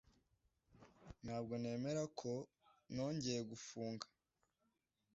Ntabwo nemera ko nongeye gufunga.